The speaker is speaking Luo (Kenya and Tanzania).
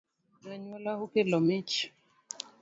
Anyuola okelo mich